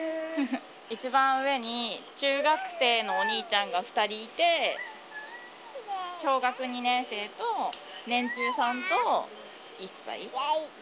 一番上に中学生のお兄ちゃんが２人いて、小学２年生と、年中さんと１歳。